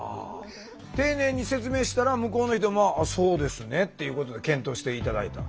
丁寧に説明したら向こうの人も「あそうですね」っていうことで検討して頂いた。